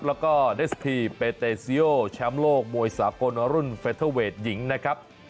แล้วก็เดสทีเปเตซีโอแชมป์โลกมวยสากลรุ่นเฟเทอร์เวทหญิงนะครับ